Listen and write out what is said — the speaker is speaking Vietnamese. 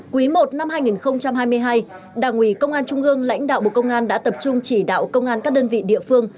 quý i năm hai nghìn hai mươi hai đảng ủy công an trung ương lãnh đạo bộ công an đã tập trung chỉ đạo công an các đơn vị địa phương